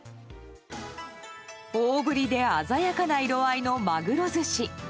大ぶりで鮮やかな色合いのマグロ寿司。